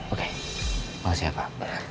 oke mau siap pak